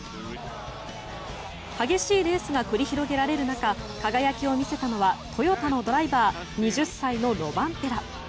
激しいレースが繰り広げられる中輝きを見せたのはトヨタのドライバー２０歳のロバンペラ。